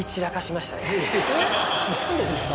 何でですか？